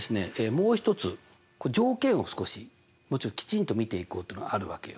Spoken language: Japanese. もう一つ条件を少しもうちょっときちんと見ていこうっていうのがあるわけよ。